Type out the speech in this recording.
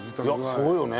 そうよね。